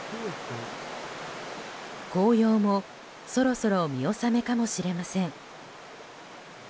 紅葉もそろそろ見納めかもしれません。